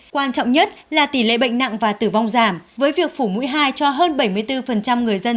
quan trọng nhất là tỷ lệ bệnh nặng và tử vong giảm với việc phủ mũi hai cho hơn bảy mươi bốn người dân